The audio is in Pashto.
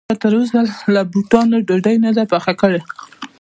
چا تر اوسه له بوټانو ډوډۍ نه ده پخه کړې